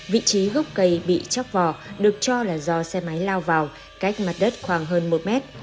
vị trí gốc cây bị chóc vỏ được cho là do xe máy lao vào cách mặt đất khoảng hơn một mét